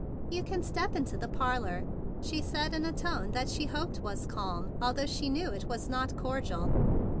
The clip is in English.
"You can step into the parlor," she said in a tone that she hoped was calm, although she knew it was not cordial.